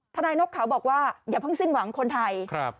นายนกเขาบอกว่าอย่าเพิ่งสิ้นหวังคนไทย